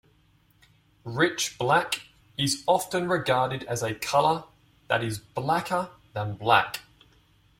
Rich black is often regarded as a color that is "blacker than black".